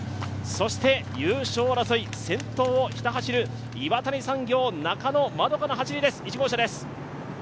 よして優勝争い、先頭をひた走る岩谷産業、中野円花の走りです。